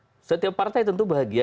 iya jadi gini setiap partai tentu bahagia